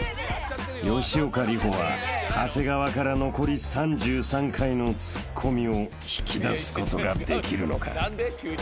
［吉岡里帆は長谷川から残り３３回のツッコミを引き出すことができるのか？］